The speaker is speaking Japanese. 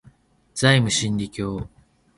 ザイム真理教